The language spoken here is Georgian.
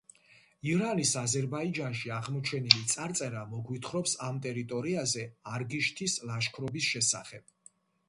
ირანის აზერბაიჯანში აღმოჩენილი წარწერა მოგვითხრობს ამ ტერიტორიაზე არგიშთის ლაშქრობის შესახებ.